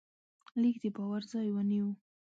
لیک د باور ځای ونیو.